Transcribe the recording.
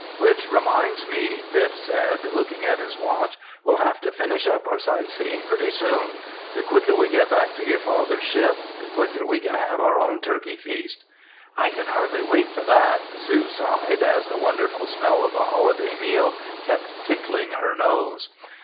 "Which reminds me," Biff said, looking at his watch. "We'll have to finish up our sightseeing pretty soon. The quicker we get back to your father's ship, the quicker we can have our own turkey feast!" "I can hardly wait for that!" Sue sighed, as the wonderful smell of the holiday meal kept tickling her nose.